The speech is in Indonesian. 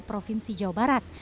provinsi jawa barat